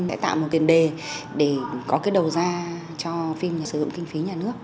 sẽ tạo một tiền đề để có cái đầu ra cho phim sử dụng kinh phí nhà nước